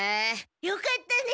よかったね。